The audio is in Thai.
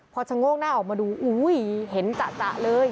พอชะโงกหน้าออกมาดูอุ้ยเห็นจะเลย